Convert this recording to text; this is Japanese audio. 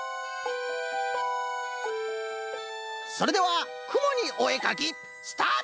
それではくもにおえかきスタート！